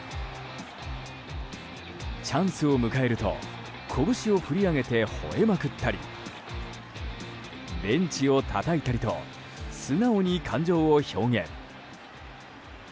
チャンスを迎えると拳を振り上げてほえまくったりベンチをたたいたりと素直に感情を表現。